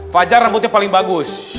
fajar rambutnya paling bagus